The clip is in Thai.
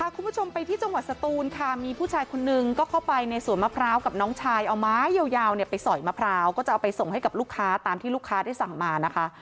คุณผู้ชมไปที่จังหวัดสตูนค่ะมีผู้ชายคนนึงก็เข้าไปในสวนมะพร้าวกับน้องชายเอาไม้ยาวเนี่ยไปสอยมะพร้าวก็จะเอาไปส่งให้กับลูกค้าตามที่ลูกค้าได้สั่งมานะคะ